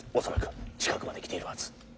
恐らく近くまで来ているはず。